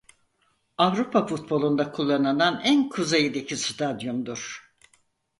Avrupa futbolunda kullanılan en kuzeydeki stadyumdur.